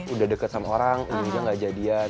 udah deket sama orang ini juga gak jadian